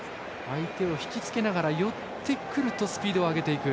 相手を引きつけながら寄ってくるとスピードを上げていく。